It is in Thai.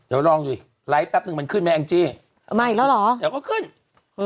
เดี๋ยวลองดูดิไลก์แป๊บนึงมันขึ้นมาอังกฎิมาอีกแล้วเหรอแต่ก็ขึ้นอืม